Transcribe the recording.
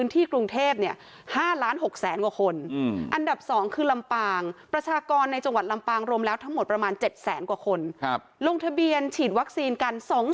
ถือว่าเยอะนะค่ะ